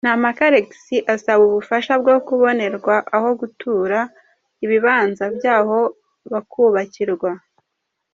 Ntampaka Alex asaba ubufasha bwo kubonerwa aho gutura; ibibanza byaho bakubakirwa.